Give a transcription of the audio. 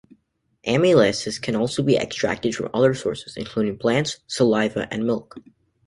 Amylases can also be extracted from other sources including plants, saliva, and milk.